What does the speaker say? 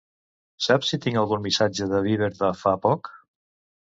Saps si tinc algun missatge de Viber de fa poc?